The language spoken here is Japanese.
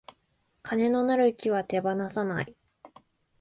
金のなる木は手放さない